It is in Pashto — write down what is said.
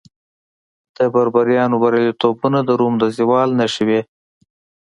د بربریانو بریالیتوبونه د روم د زوال نښې وې